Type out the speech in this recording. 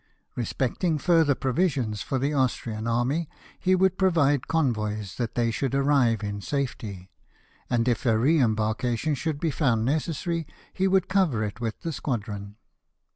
Respecting further provisions for the Austrian army, he would provide convoys that they should arrive in safety ; and if a re embarkation should be found necessary, he would cover it with the squadron.